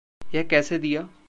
यह कैसे दिया